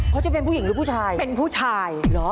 เขาจะเป็นผู้หญิงหรือผู้ชาย